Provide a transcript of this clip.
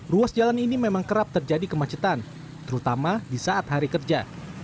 ruas jalan ini memang kerap terjadi kemacetan terutama di saat hari kerja